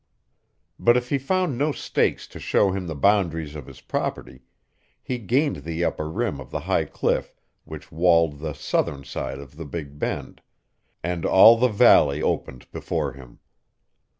But if he found no stakes to show him the boundaries of his property, he gained the upper rim of the high cliff which walled the southern side of the Big Bend, and all the valley opened before him.